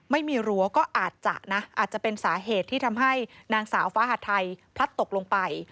รั้วก็อาจจะนะอาจจะเป็นสาเหตุที่ทำให้นางสาวฟ้าหัดไทยพลัดตกลงไป